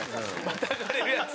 またがれるやつ。